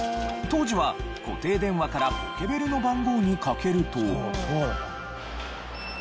当時は固定電話からポケベルの番号にかけると。